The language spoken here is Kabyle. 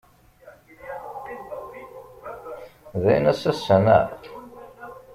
D aynas ass-a, naɣ?